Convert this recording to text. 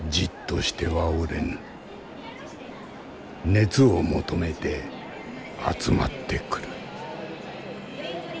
熱を求めて集まってくる。